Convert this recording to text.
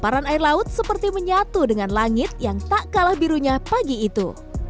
paparan air laut seperti menyatu dengan langit yang tak kalah birunya pagi itu